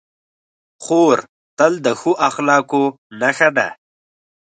خور تل د ښو اخلاقو نښه ده.